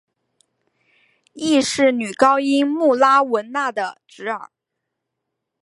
亦是女高音穆拉汶娜的侄儿。